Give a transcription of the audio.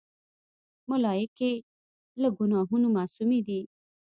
ملایکې له ګناهونو معصومی دي.